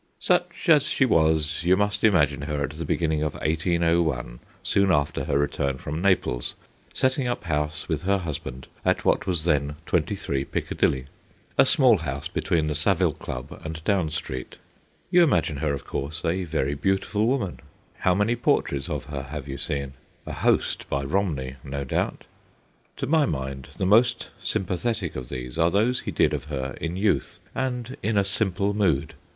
Such as she was, you must imagine her at the beginning of 1801, soon after her return from Naples, setting up house with her husband at what was then 23 Piccadilly a small house between the Savile Club and Down Street. You imagine her, of course, a very beautiful woman. How a 180 THE GHOSTS OF PICCADILLY many portraits of her have you seen ? A host by Romney, no doubt. To my mind the most sympathetic of these are those he did of her in youth, and in a simple mood.